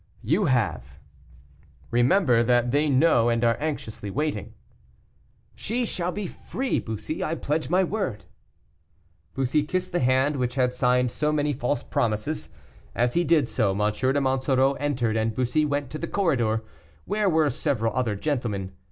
"You have." "Remember that they know and are anxiously waiting." "She shall be free, Bussy; I pledge my word." Bussy kissed the hand which had signed so many false promises. As he did so, M. de Monsoreau entered, and Bussy went to the corridor, where were several other gentlemen.